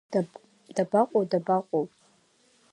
Дабаҟоу, дабаҟоу?